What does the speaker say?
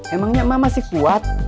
emangnya emak masih kuat